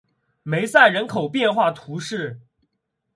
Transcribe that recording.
梅塞人口变化图示